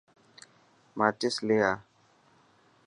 ماچس لي آءَ.